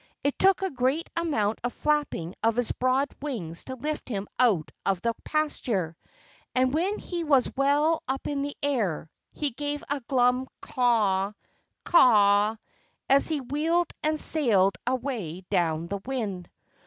It took a great amount of flapping of his broad wings to lift him out of the pasture. And when he was well up in the air he gave a glum caw, caw as he wheeled and sailed away down the wind.